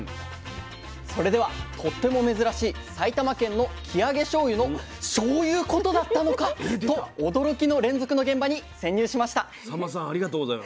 それではとっても珍しい埼玉県の生揚げしょうゆの「『しょうゆ』うことだったのか！」と驚きの連続の現場に潜入しました。